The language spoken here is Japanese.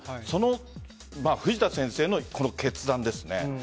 その藤田先生の決断です。